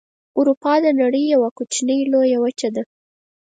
اروپا د نړۍ یوه کوچنۍ لویه وچه ده.